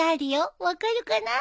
分かるかな？